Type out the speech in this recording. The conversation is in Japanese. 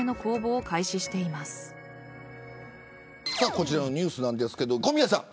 こちらのニュースですけど小宮さん。